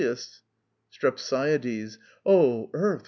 STREPSIADES. Oh! Earth!